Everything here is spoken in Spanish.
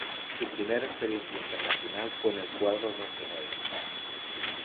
Su primera experiencia internacional fue en el cuadro rojinegro.